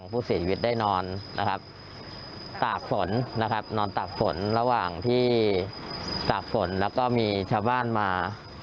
ผู้เสียชีวิตได้นอนนะครับตากฝนนะครับนอนตากฝนระหว่างที่ตากฝนแล้วก็มีชาวบ้านมา